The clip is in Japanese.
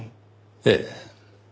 ええ。